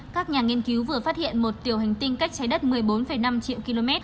các nhà nghiên cứu vừa phát hiện một tiểu hành tinh cách trái đất một mươi bốn năm triệu km